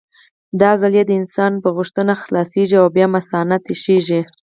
دا عضلې د انسان په غوښتنه خلاصېږي او بیا مثانه تشېږي.